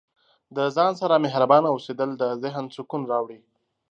د ځان سره مهربانه اوسیدل د ذهن سکون راوړي.